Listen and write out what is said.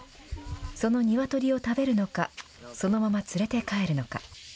そのニワトリを食べるのか、そのまま連れて帰るのか。